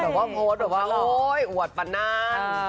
แต่ว่าโพสต์แบบว่าโอ๊ยอวดปะนาน